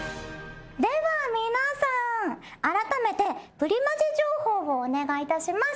では皆さん改めて「プリマジ」情報をお願いいたします。